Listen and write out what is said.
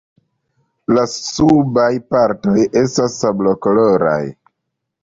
La subaj partoj estas sablokoloraj.